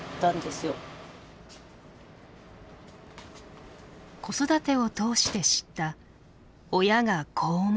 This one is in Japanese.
子育てを通して知った親が子を思う気持ち。